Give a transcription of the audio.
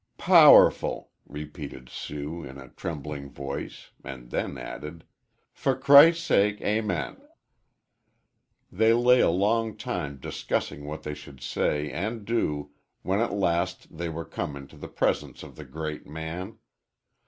"Powerful," repeated Sue, in a trembling voice, and then added: "for Christ's sake. Amen." They lay a long time discussing what they should say and do when at last they were come into the presence of the great man.